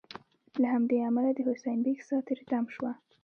له همدې امله د حسین بېګ سا تری تم شوه.